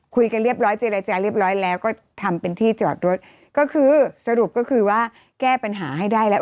คุยกันเรียบร้อยเจรจาเรียบร้อยแล้วก็ทำเป็นที่จอดรถก็คือสรุปก็คือว่าแก้ปัญหาให้ได้แล้ว